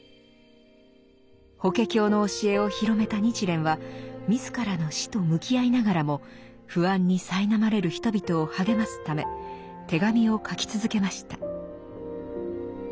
「法華経」の教えを広めた日蓮は自らの死と向き合いながらも不安にさいなまれる人々を励ますため手紙を書き続けました。